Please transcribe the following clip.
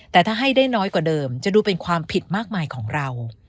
แต่ถ้าให้ได้น้อยกว่าเดิมจะดูเป็นความผิดมากมายของเรา